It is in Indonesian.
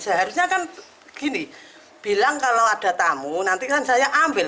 seharusnya kan gini bilang kalau ada tamu nanti kan saya ambil